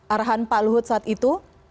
arahan pak luhut saat itu